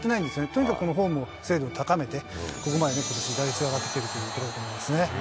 とにかくこのフォームの精度を高めて、ここまでことし打率が上がってきてるということだと思いますね。